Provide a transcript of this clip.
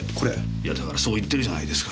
いやだからそう言ってるじゃないですか。